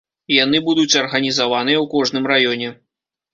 Яны будуць арганізаваныя ў кожным раёне.